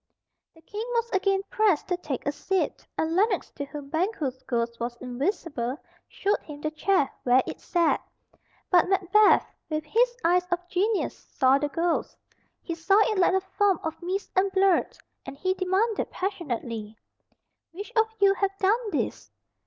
The King was again pressed to take a seat, and Lennox, to whom Banquo's ghost was invisible, showed him the chair where it sat. But Macbeth, with his eyes of genius, saw the ghost. He saw it like a form of mist and blood, and he demanded passionately, "Which of you have done this?"